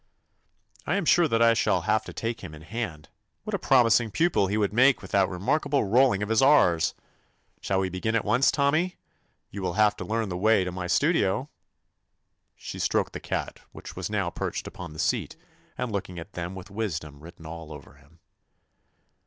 "I am sure that I shall have to take him in hand. What a promising pu pil he would make with that remark able rolling of his r's. Shall we begin at once, Tommy? You will have to learn the way to my studio." She stroked the cat which was now perched upon the seat and looking at them with wisdom written all over him.